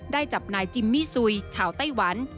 ได้จับนายจิมมิซุยชาวไต้วัน